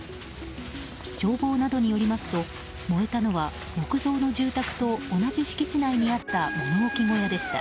消防などによりますと燃えたのは木造の住宅と同じ敷地内にあった物置小屋でした。